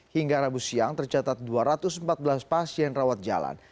hingga rabu siang tercatat dua ratus empat belas pasien rawat jalan